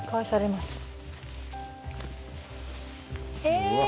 え！